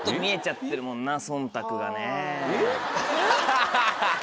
アハハハ！